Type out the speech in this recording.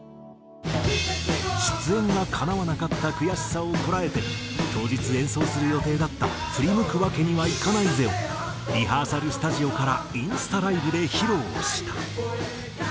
出演がかなわなかった悔しさをこらえて当日演奏する予定だった『ふりむくわけにはいかないぜ』をリハーサルスタジオからインスタライブで披露した。